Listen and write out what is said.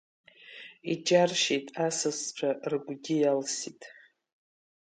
Иџьаршьеит асасцәа, рыгәгьы иалсит.